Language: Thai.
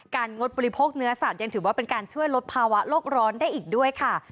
งดบริโภคเนื้อสัตว์ยังถือว่าเป็นการช่วยลดภาวะโลกร้อนได้อีกด้วยค่ะ